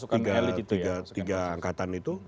pasukan elite itu ya tiga angkatan itu